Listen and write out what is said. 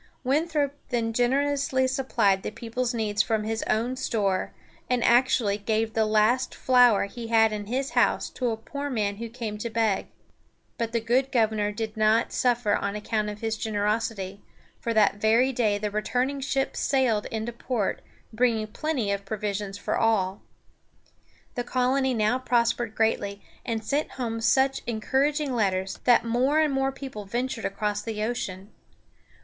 Winthrop then generously supplied the people's needs from his own store, and actually gave the last flour he had in his house to a poor man who came to beg. But the good governor did not suffer on account of his generosity, for that very day the returning ships sailed into port, bringing plenty of provisions for all. The colony now prospered greatly, and sent home such encouraging letters that more and more people ventured across the ocean.